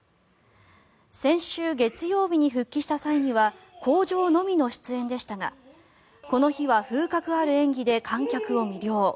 先週月曜日に復帰した際には口上のみの出演でしたがこの日は風格ある演技で観客を魅了。